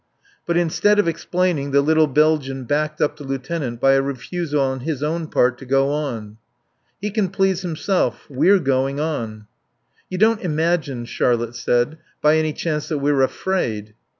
But instead of explaining the little Belgian backed up the lieutenant by a refusal on his own part to go on. "He can please himself. We're going on." "You don't imagine," Charlotte said, "by any chance that we're afraid?"